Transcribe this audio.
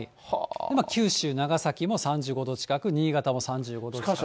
九州、長崎も３５度近く、新潟も３５度近く。